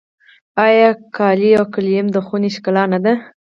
آیا قالي او ګلیم د خونې ښکلا نه ده؟